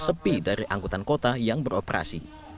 sepi dari angkutan kota yang beroperasi